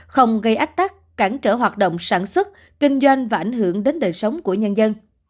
không gây ách tắc cản trở hoạt động sản xuất kinh doanh và ảnh hưởng đến đời sống của nhân dân